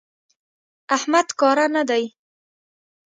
احمد کاره نه دی.